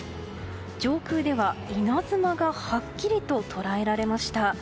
上空では稲妻がはっきりと捉えられました。